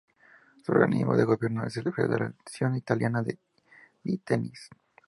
Su organismo de gobierno es la Federazione Italiana di Tennis.